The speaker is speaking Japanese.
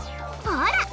ほら！